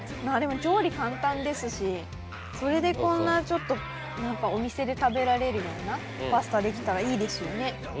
調理簡単ですしそれでこんなお店で食べられるようなパスタできたらいいですよね。